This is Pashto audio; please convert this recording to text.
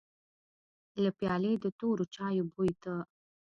له پيالې د تورو چايو بوی ته.